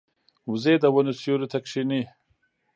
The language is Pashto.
وزې د ونو سیوري ته کیني